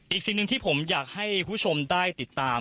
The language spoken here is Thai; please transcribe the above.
สิ่งหนึ่งที่ผมอยากให้คุณผู้ชมได้ติดตาม